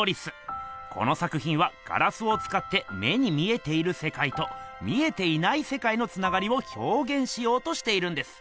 この作ひんはガラスをつかって目に見えているせかいと見えていないせかいのつながりをひょうげんしようとしているんです。